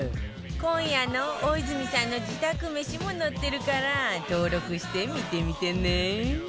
今夜の大泉さんの自宅メシも載ってるから登録して見てみてね